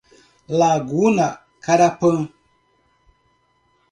Laguna Carapã